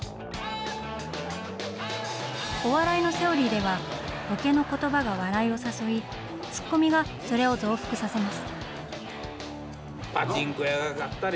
お笑いのセオリーでは、ボケのことばが笑いを誘い、ツッコミがそれを増幅させます。